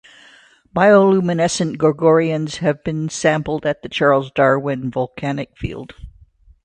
Bioluminescent gorgonians have been sampled at the Charles Darwin volcanic field.